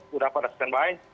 sudah pada stand by